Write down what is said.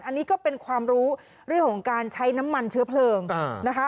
อันนี้ก็เป็นความรู้เรื่องของการใช้น้ำมันเชื้อเพลิงนะคะ